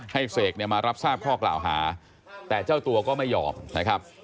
เสกเนี่ยมารับทราบข้อกล่าวหาแต่เจ้าตัวก็ไม่ยอมนะครับ